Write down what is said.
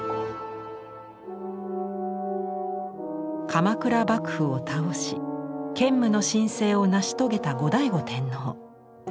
鎌倉幕府を倒し建武の新政を成し遂げた後醍醐天皇。